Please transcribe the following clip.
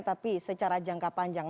tapi secara jangka panjang